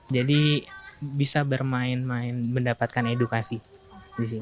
jadi bisa bermain main mendapatkan edukasi disini